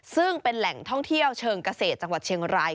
ซึ่งเป็นแหล่งท่องเที่ยวเชิงเกษตรจังหวัดเชียงราย